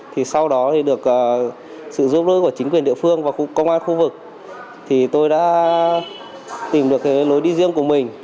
thì sau đó thì được sự giúp đỡ của chính quyền địa phương và công an khu vực thì tôi đã tìm được cái lối đi riêng của mình